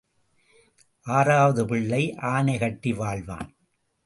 ஆறாவது பிள்ளை ஆனை கட்டி வாழ்வான்.